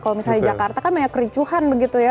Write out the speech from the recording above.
kalau misalnya di jakarta kan banyak kericuhan begitu ya